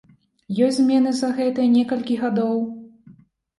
Ёсць змены за гэтыя некалькі гадоў?